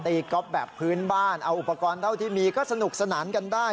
ก๊อฟแบบพื้นบ้านเอาอุปกรณ์เท่าที่มีก็สนุกสนานกันได้